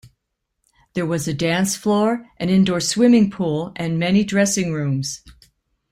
There was a dance floor, an indoor swimming pool, and many dressing rooms.